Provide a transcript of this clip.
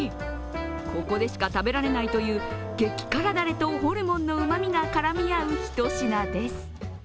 ここでしか食べられないという激辛だれとホルモンのうまみが絡み合う一品です。